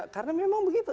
karena memang begitu